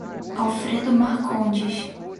Alfredo Marcondes